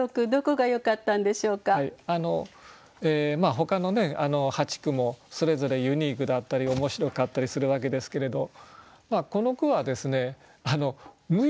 ほかの８句もそれぞれユニークだったり面白かったりするわけですけれどこの句は無欲な句なんですね。